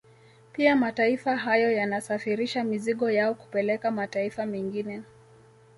Pia mataifa hayo yanasafirisha mizigo yao kupeleka mataifa mengine